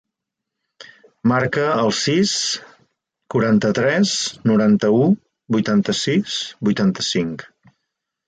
Marca el sis, quaranta-tres, noranta-u, vuitanta-sis, vuitanta-cinc.